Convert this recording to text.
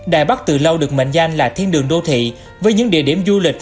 đài bắc từ lâu được mệnh danh là thiên đường đô thị với những địa điểm du lịch